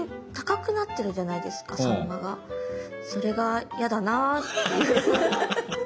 それが嫌だなっていう。